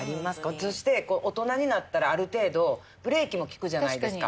普通して大人になったらある程度ブレーキも利くじゃないですか。